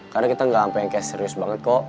karena kita gak sampai yang kayak serius banget kok